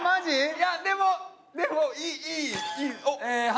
いやでもでもいいいい。